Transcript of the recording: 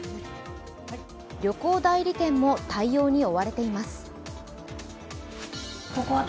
旅行代理店も対応に追われています。